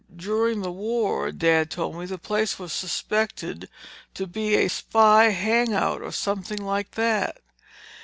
During the war, Dad told me, the place was suspected to be a spy hang out or something like that.